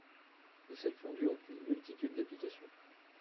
Les sels fondus ont une multitude d'applications.